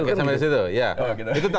oke sampai disitu ya